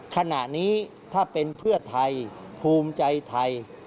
ขณะนี้ถ้าเป็นเพื่อไทยภูมิใจไทย